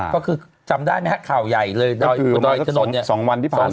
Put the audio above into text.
ก็คือจำได้ไหมคะเข่าใหญ่เลยดอยอิทธานนทร์เนี่ย